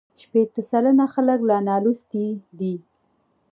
شپېته سلنه خلک لا نالوستي دي.